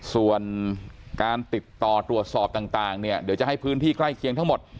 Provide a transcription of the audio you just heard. ส่วนการติดต่อตรวจสอบต่างเนี่ยเดี๋ยวจะให้พื้นที่ใกล้เคียงทั้งหมด